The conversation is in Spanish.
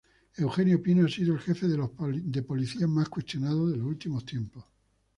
Eugenio Pino ha sido el jefe de Policía más cuestionado de los últimos tiempos.